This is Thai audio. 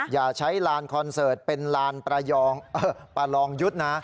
อย่าใช้ลานคอนเสิร์ตเป็นลานประยองประลองยุทธ์นะ